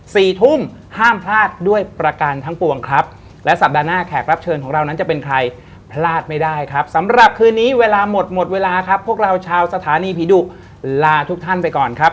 สี่ทุ่มห้ามพลาดด้วยประการทั้งปวงครับและสัปดาห์หน้าแขกรับเชิญของเรานั้นจะเป็นใครพลาดไม่ได้ครับสำหรับคืนนี้เวลาหมดหมดเวลาครับพวกเราชาวสถานีผีดุลาทุกท่านไปก่อนครับ